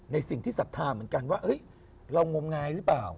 สิ่งที่ศรัทธาเหมือนกันว่าเรางมงายหรือเปล่า